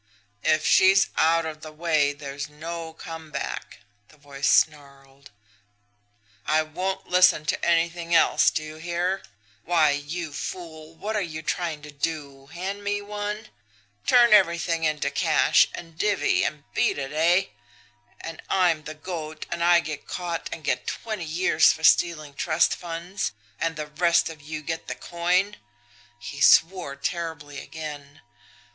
"'If she's out of the way, there's no come back,' the voice snarled. 'I won't listen to anything else! Do you hear! Why, you fool, what are you trying to do hand me one! Turn everything into cash, and divvy, and beat it eh? And I'm the goat, and I get caught and get twenty years for stealing trust funds and the rest of you get the coin!' He swore terribly again.